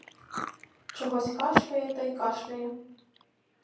Чогось кашляє та й кашляє.